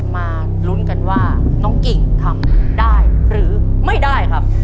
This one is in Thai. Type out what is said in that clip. มาลุ้นกันว่าน้องกิ่งทำได้หรือไม่ได้ครับ